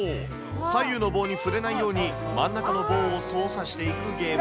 左右の棒に触れないように、真ん中の棒を操作していくゲーム。